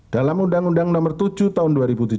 dalam undang undang nomor tujuh tahun dua ribu tujuh belas